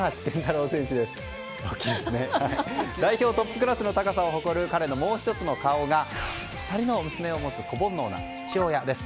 代表トップクラスの高さを誇る彼のもう１つの顔が２人の娘を持つ子煩悩な父親です。